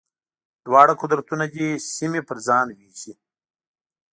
دواړه قدرتونه دې سیمې پر ځان وېشي.